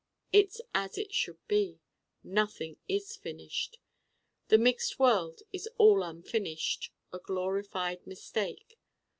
It's as it should be. Nothing is finished. The mixed world is all unfinished, a glorified Mistake.